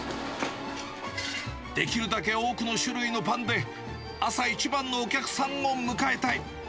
できるだけ多くの種類のパンで、朝一番のお客さんを迎えたい。